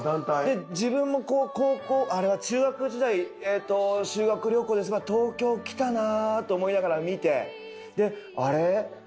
自分も高校あれは中学時代修学旅行でそういえば東京来たなと思いながら見てであれ？